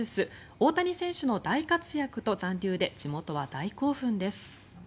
大谷選手の大活躍と残留で地元は大興奮です。